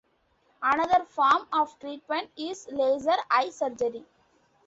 Another form of treatment is laser eye surgery.